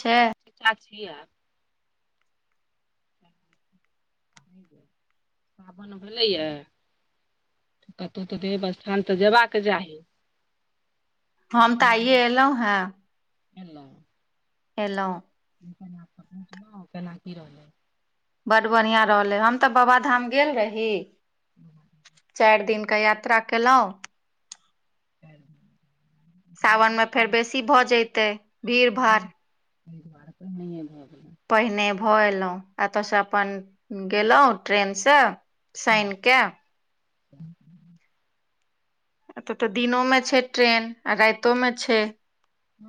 छै चा छियै [unintelligible] आपन भेलैए [unintelligible] कतहु तऽ देव स्थान तऽ जयबाक चाही हम तऽ आइये एलौं हें अलौ [unintelligible] एलौं केना कऽ पहुँचलौ केना की रहलौ [unintelligible] बड्ड बढ़ियाँ रहलै हम तऽ बाबाधाम गेल रही चारि दिन के यात्रा केलउ सावन मे फेर बेसी भऽ जतै भीड़ भाड़ एहि दुआरे पर नहि भऽ गेल [unintelligible] पहिने भऽ एलहुँ एतय से अपन गेलौ ट्रेनसे सनि के ह [inaudible] एतऽ तऽ दिनो मे छै ट्रेन आ रातो मे छै ह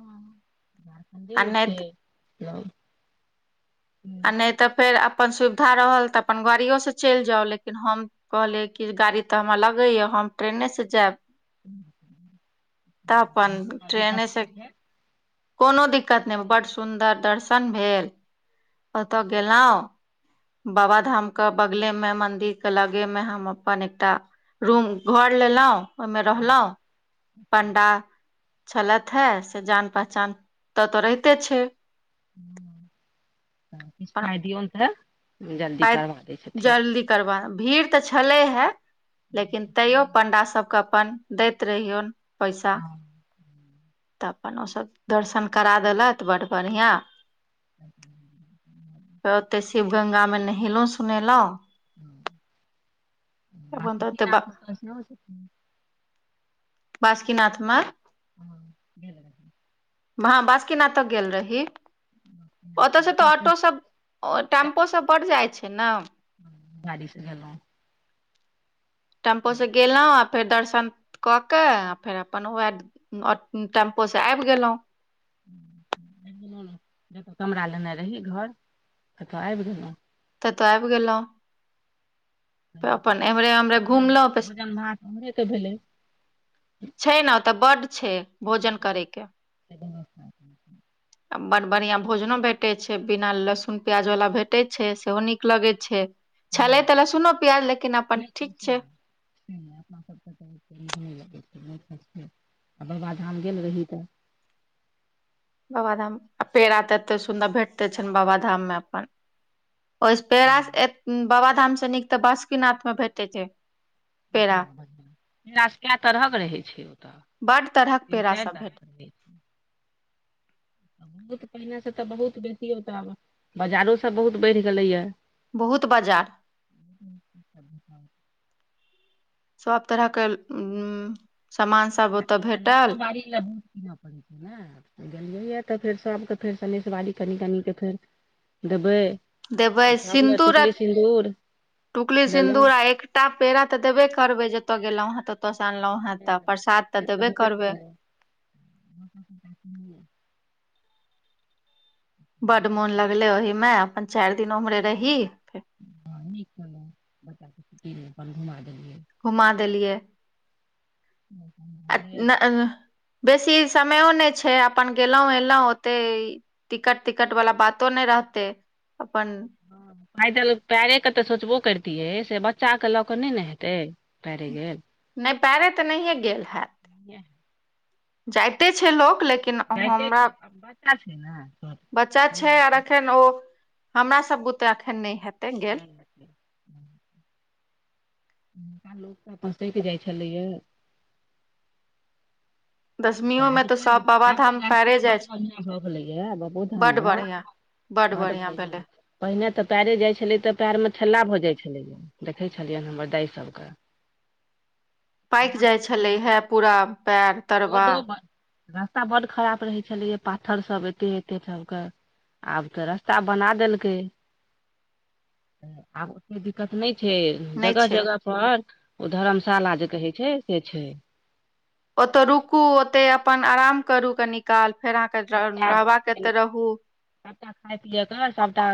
आ झारखण्डेमे नहि छै [unintelligible] नहि तऽ फेर अपन सुविधा रहल तऽ अपन गाड़ियो से चल जाउ लेकिन हम कहलियै कि गाड़ी तऽ हमरा लगैए हम ट्रेने सँ जायब त अपन ट्रेने दिक्कत से नहि छै कोनो दिक्कत नहि बड्ड सुन्दर दर्शन भेल ओतऽ गेलौं बाबा धाम के बगले मे मंन्दिर के लगे मे हम अपन एकटा रूम घर लेल‌उ ओहिमे रहलौं पण्डा छलेथ हे से जान पहचान तऽ तो रहिते छै किछ अपन पाय दियै तऽ [unintelligible] जल्दी पाइ करबा दै छथिन जल्दी करबा भीड़ तऽ छले हे लेकिन तैयो पण्डासब के अपन दैत रहियौन पैसा हँ तऽ अपन ओसभ दर्शन करा देलत बड्ड बढ़ियाँ फेर ओतय [inaudible] शिव गंगा मे नहेलौं सुनेलौं ह बास अपन तऽ ती ओतय लख त हो [unintelligible] बासुकिनाथ मे हँ गेल‌ए हँ बासुकीनाथ तऽ गेल रही ओतऽसँ तऽ ऑटो सब टेम्पो सब बड्ड जाइ छै ने गाड़ी से गेलोउ टेम्पो से गेलहुँ आ फेर दर्शन तऽ क फेर अपन वहाँ टेम्पोसँ आबि गेलहुँ कमरा लेने रही घर आबि गेलहुँ ततौ आबि गेलहुँ अपन एमरे उमरे घुमलो त भेलै छै ने ओते बड्ड छै भोजन करैके व्यवस्था बड्ड बढ़ियाँ भोजनो भेटै छै बिना लहसुन प्याज वाला भेटै छै सेहो नीक लगै छै छलै हँ त लहसुन प्याज लेकिन अपन ठीक से छै नहि बाबाधाम गेल रही तऽ बाबाधाम आ पेड़ा तऽ एते सुन्दर भेटते छनि बाबाधाम मे अपन ओहिसँ हँ पेड़ास बाबा धाम सँ नीक तऽ बासुकीनाथ मे भेटै छै पेड़ा पेड़ा कए तरहक रहै छै ओतऽ बड्ड तरहक तीन चारि पेड़ासभ तरहक भेट रहै छै बहुत पहिने से तऽ बहुत बेसी तऽ बाजारो सब बहुत बैड़ गेलै या बहुत बजार [inaudible] सभ तरहके सामान सब ओतय सनेशो भेटल बारी लना पड़ै छै [unintelligible] गेलियैए त फेर सभके फेर सलेशवाड़ी कनि कने फेर देबै देबै तऽ सभ लए सिन्दूर आ टुकली सिन्दूर टुकली सिन्दूर लेलहुँ आ एक कटा पेड़ा तऽ देबे करबै जतय गेलो है ततय से अनलहुँ है से त प्रसाद त देबे करबै ब [inaudible] बड्ड मोन लगले ओहि मे अपन चारि दिन ओम्हरे रही घुमा [inaudible] घुमा देलियै ह [inaudible] आ बेसी समयो नहि छै अपन गेलौं एलौं ओते टिकट टिकट वाला बातो नहि रहतै अपन पैदल पैरेके त सोचबो करितियै से बच्चा के ल क न ने हेतै पैरे गेल नहि पैरे तऽ नहियें गेल हैत बए [inaudible] जाइते छै लोक लेकिन जाइते हमरा छै बच्चा छै ने छोट बच्चा केना छै आर हेतै एखन ओ हमरा सब बुते एखन नहि हेत नहि [inaudible] लोक तऽ अपन सकि जाइ छलैए [unintelligible] दसमियो मे आब तऽ सब आब तऽ बाबाधाम पैरे रास्ता बड़ जाइ छै बढ़ियाँ भऽ गेलैए बबोधाम मे बड्ड बढ़ियाँ भैले पहिने त पैरे जाइ छलै तऽ पयर मे ठेला भ जाइ छलै देखै छलियनि हमर दाय सबके [inaudible] पाकि जाय छले हे पूरा पैर तरबा रोडो रास्ता बड्ड खराब रहै छलैए पाथर सभ एते एते सभके आब त रास्ता बना देलकै आब ओतेक दिक्कत नहि छै नहि जगह छै जगह पर ओ धर्मशाला जे कहै छै से छै ओतय रुँकू ओते अपन आराम करूँ कनी काल फेर अहाँके सबटा रहबा आ रहूँ सबटा खाय पियएके सबटा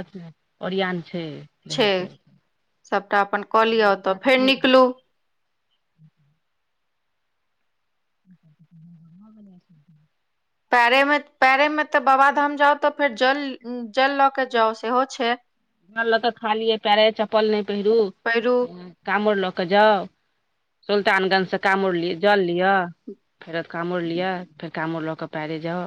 ओरियान छै छै सभटा अपन क लिअ कोनो त दिक्कत फेर नहि रहै निकलू बढ़िआ [inaudible] पैरे मे पैरे मे त बाबाधाम जाउ त फेर जल जल ल के जाउ सेहो छै हमरा ल क खालिय पैरे चप्पल नहि पैरू पहिरूँ काँवर ल के जाउ सुल्तानगंज से कामर लिय जल लिअ फेर काँमुर लिअ फेर काँमुर लऽ कऽ पएरे जाउ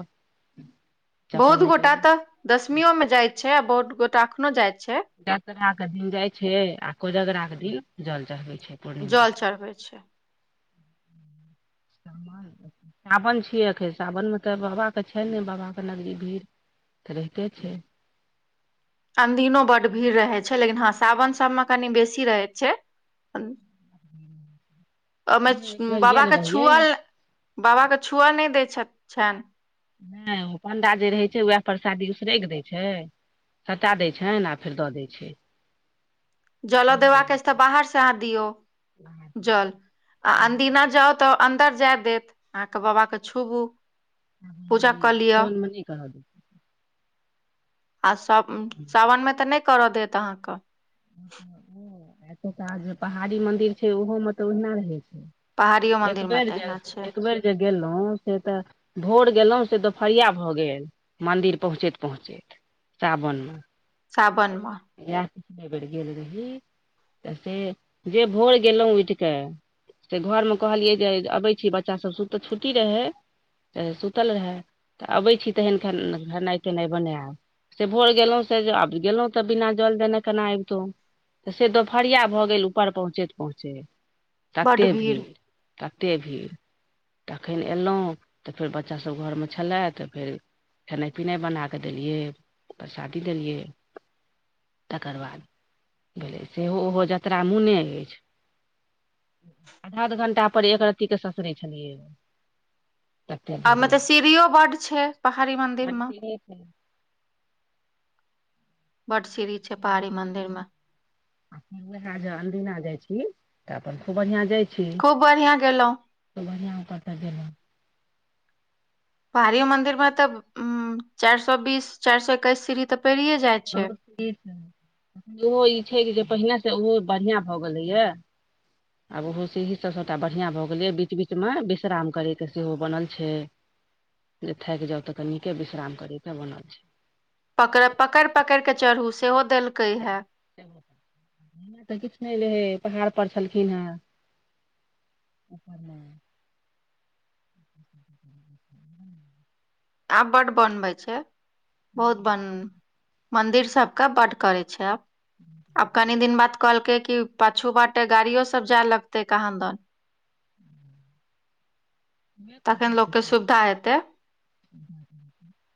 चप्पल बहुत नहि गोटा पहिरू तऽ दसमीयो मे जायत छै आ बहुत गोटा अखनो जायत छै दतरा के दिन जाय छै आ कोजगरा के दिन जल चढ़बै छै पढ़ जल चढ़बै छै [unintelligible] सावन छियै एखन सावनमे तऽ बाबाके छै ने बाबाके नगरी भीड़ रहिते छै अनदिनो बड्ड भीड़ रहै छै लेकिन हँ सावन सभमे कनि बेसी रहैत छै ओहिमे हमहूँ एक बेर बाबा गेल रहियै छुअल बाबा के छुए नहि दै छथि नहि ओ पण्डा जे रहै छै उएह प्रसादी झिरैक दै छै सटा दै छनि आ फेर द दै छै जलो तहिना देबाका होइ अछि तऽ छै बाहर से अहाँ दियऔ जल आ अंदीना जाउ तऽ अन्दर जाय देत अहाँके बाबा के छुबू आ मने सोन मने कही [unintelligible] आ सावनमे तऽ नहि करय देत अहाँक एतका जे पहाड़ी मंन्दिर छै ओहोमे तऽ ओहिना रहै पहाड़ियो छै एक मंदिर मे बेर जल तहिना छै एक बेर जे गेलहुँ से तऽ भोर गेलहुँ से दुोपहरिया भऽ गेल मन्दिर पहुँचैत पहुँचैत सावन सावन मे इहा ओइ बेर गेल रही तऽ से जे भोर गेलहुँ उठ कऽ त घरमे कहलियै जे अबै छी बच्चा सब तऽ छुट्टी रहै तऽ सुतल रहए तऽ अबै छी तहन खेनाई पिनाई बनायब से भोर गेलहुँ से आब गेलहुँ तऽ बिना जल देने केना अबितहु से दुोपहरिया भऽ गेल ऊपर पहुँचैत पहुँचैत तते भीड़ तते भीड़ तखन अयलहुँ तऽ फेर बच्चासभ घरमे छलय तऽ फेर खेनाई पिनाई बना कऽ देलियै प्रसादी देलियै तकर बाद भेलै सेहो उहो जतरा मुँने अछि आध अध घण्टापर एक रत्तीके ससरै छथिन आ मे तऽ सीढ़ियो बड्ड छै पहाड़ी मंदिर बड प [inaudible] बड सीढ़ी छै पहाड़ी मंदिर मे उएह ज अनदिना जाय छी तऽ अपन खूब बढ़िया जाय छी खूब बढ़ियां गेलहुॅं बढ़ियाआ ओ कतऽ गेलहुँ [unintelligible] पहाड़ियो मंदिर में तऽ चारि सौ बीस चारि सौ एकैस सीढ़ी ते पेरे जाय छै बहुत सी छै ओहो ई छै जे पहिने से ओहो बढ़िआँ भऽ गेलैया ह [inaudible] ओहो सीड़ी सभ सभटा बढ़िआँ भऽ गेलै बीच बीचमे विश्राम करैके सेहो बनल छै जे थाक जाउ तऽ कनीके विश्राम करे ले बनल छै पकेड़ पकड़ि पकड़िके चढ़ू सेहो देलकै हे तऽ किछु नहि रहै, पहाड़ पर छलखिन हेँ। [inaudible] [inaudible] आब बड़ बनबै छै, बहुत बन। मन्दिर सभके बड्ड करै छै आब। आब कनि दिन बाद कहलखिन कि पाछू बाटे गाड़ी सेहो जाय लगतै, कहाँ दिन। [inaudible] तखन लोकके सुविधा हेतै। [unintelligible]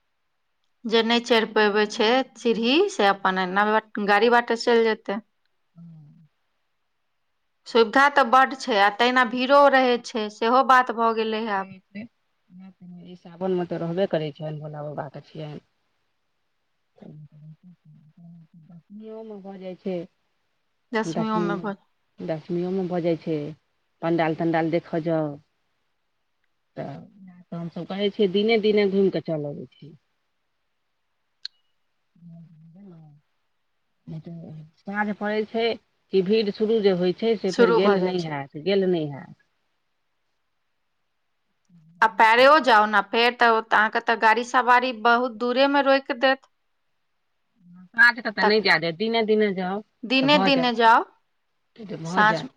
जे नहि चढ़ि पबै छै सीढ़ीसँ, से अपन एना गाड़ी बाटे चलि जेतै। हूँ सुविधा तऽ बड्ड छै आ तहिना भीड़ो रहैत छै, सेहो बात भऽ गेलै हे आब। ई सावनमे तऽ रहबे करै छनि, भोला बाबा के छियनि। दुनिओमे भऽ जाइ छै। दसमियो दशमी मे भ दशमिओमे भऽ जाइ छै, पण्डाल तण्डाल देखय जाउ। तऽ हमसभ कहै छियै, दिने दिने घूमि कऽ चलि अबैत छी। [inaudible] तऽ साँझ पड़ै छै कि भीड़ शुरू जे होइ छै, से फेर शुरू गेल भऽ जाइ नहि छै होइत। गेल नहि हइ। आ पैरो जाउ ने फेर तऽ अहाँके गाड़ी सवारी बहुत दूरेमे रोक देत। काजमे तऽ नहि तक जाय दे, दिने दिने जाउ तऽ दिने भऽ जायत। दिने जाउ भऽ साँझ जायत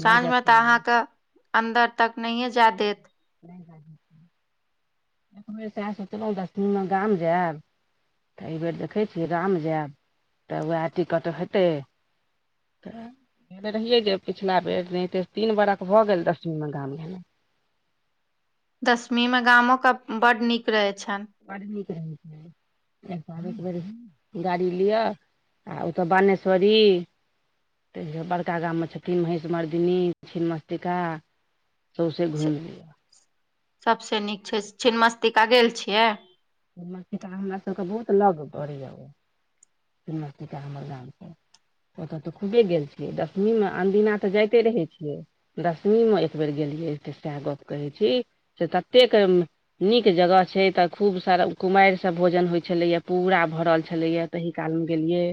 भऽ जायत साँझमे तऽ कोनो अहाँके अन्दर तक नहिए जाय देत। नहि, एक बेर सएह सोचलहुँ, दस दिनमे गाम जायब। तऽ एहिबेर देखैत छियै, गाम जायब तऽ वएह टिकत हेतै। तऽ गेल रहियै जे पिछला बेर एनाहि ते तीन बरख भऽ गेल, दशमीमे गाम। दशमीमे गामोके बड़ नीक रहै छनि। बड़ नीक रहै छनि। एक एक बेर गाड़ी लिअऽ आ ओतऽ बानेश्वरी। तऽ बड़का गाममे छथिन महेश, मरदनी, छिन्नमस्तिका। सौसे घूमि लिअ। सभसँ नीक छै, छिन्नमस्तिका गेल छियै। छिन्नमस्तिका हमरा सभके बहुत लग पड़ैया, ओ छिन्नमस्तिका हमर गाम सऽ ओतऽ तऽ खूबे गेल छियै, दशमीमे। अनदिनो तऽ जाइते रहै छियै। दशमीमे एक बेर गेलियै तऽ सएह गप कहै छी। से ततेक नीक जगह छै तऽ खूब। स कुमारि सभके भोजन होइ छलैया, पूरा भरल छलैया, ताहि कालमे गेलियै।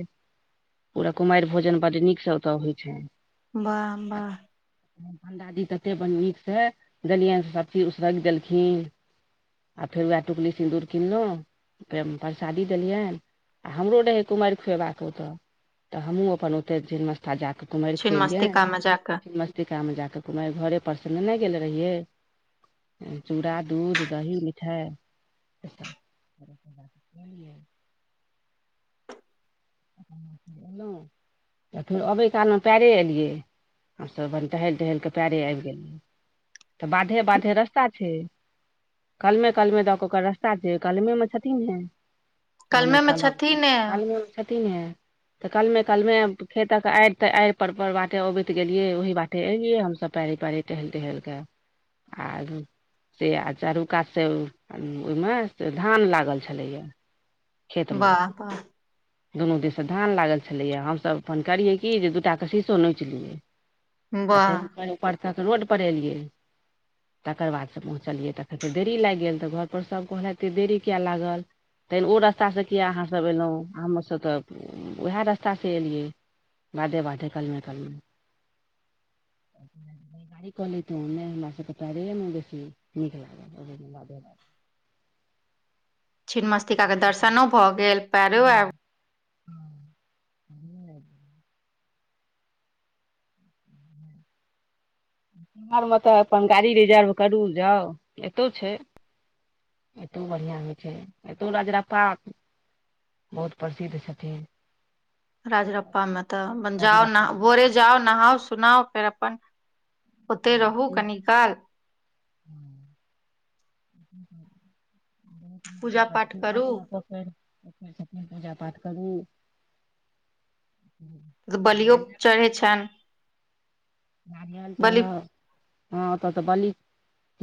पूरा कुमाईर भोजन बड़ नीकसँ होइ छै। वाह-वाह! पण्डाजी तते बड़ नीकसँ देलियनि, सभ चीज उसरग देलखिन। आ फेर ओ टिकुली-सिन्दूर। किनलहुँ, प्रसादी देलियनि, आ हमरो रहै कुमाईर खुएबाक ओतय। तऽ हमहूँ अपन ओते छिन्नमस्तिका जा कऽ कुमारी छिन मस्तिका में जाके खुएलियै। टीकामे जा कऽ कुमारी घरेसँ नेने गेल रहियै। चूड़ा, दूध, दही, मिठाई। [unintelligible] एखन अबैए कालमे पैरे एलियै। हमसभ टहलि-टहलि कऽ पैरे आबि गेलियै, तऽ बाँधहि-बाँधहि रास्ता छै। काल्हिमे-काल्हिमे दऽ कऽ ओकर रास्ता छै, काल्हिमे छथिन हे। आमके कलमे मे कलम छै, छथिन ने कालमेमे छथिन हे। तऽ कलमे-कलमे खेतक आड़ ते आड़ पर-पड़ बाटे अबैत गेलियै, ओहि बाटे। एलियै हम सभ पैरे पैरे टहल टहल कऽ आ से आ चारू कात सँ ओहि में से धान लागल छलैया खेत में वाह वाह दुनू दिन से धान लागल छलैया हम सभ अपन करियै कि जे दू टा के शीशो नोचि लियै आ वाह तऽ ऊपरसँ रोड पर एलियै तकर बादसँ पहुँचलियै तऽखन फेर देरी लागि गेल तऽ घर पर सभ कहलथि देरी किया लागल तेन ओ रास्ता सँ किए अहाँसभ एयलहुँ हमसभ तऽ उएह रास्ता सँ एलियै बाधे बाधे कलमे कलमे त ओ हमरा सबके पैरे मे बेसी नीक लागल [unintelligible] [inaudible] छिन्नमस्तिका के दर्शनो भऽ गेल पैरो आब हँ बिहार में तऽ अपन गाड़ी रिजर्व करू जाउ एतौ छै एतौ बढ़िआँ होइ छै एतौ रजरप्पा बहुत प्रसिद्ध छथिन राजरप्पामे तऽ अपन जाउ नहा राजरप्पा भोरे छथिन जाउ नहाउ सुनाउ फेर अपन ओतय रहू कनिकाल ह ब [unintelligible] पूजा पाठ करू फेर अपने अपने सब पूजा पाठ करू बलियो नारियल चढ़ै छैन नारियल बलि चढाउ हँ ओतऽ तऽ बलि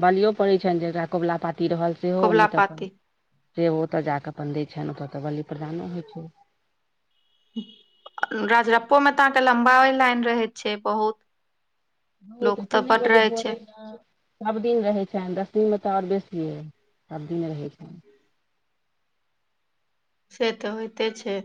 बलियो पड़ैत छनि जेकरा कोबला पाती रहल सेहो कबुला नहि तऽ अपन पाती सेहो ओतऽ जाकऽ अपन दै छनि ओतऽ तऽ बलि प्रदानो होइ छै राजरप्पो मे तऽ अहाँके लम्बा लाईन रहैत छै बहुत ह तऽ लोक तीने बड बजे रहै भजे छै ने [unintelligible] सभ दिन रहै छनि दशमी में तऽ आओर बेसिये सभ दिन रहै छनि से तऽ होइते छै